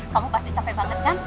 kamu pasti capek banget kan